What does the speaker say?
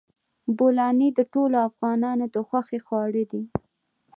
بولاني د ټولو افغانانو د خوښې خواړه دي.